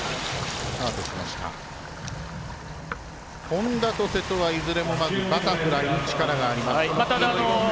本多と瀬戸はいずれもまずバタフライに力があります。